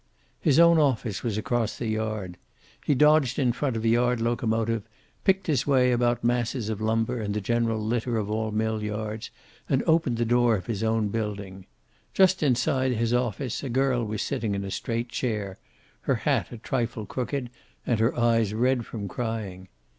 His own office was across the yard. He dodged in front of a yard locomotive, picked his way about masses of lumber and the general litter of all mill yards, and opened the door of his own building. Just inside his office a girl was sitting on a straight chair, her hat a trifle crooked, and her eyes red from crying.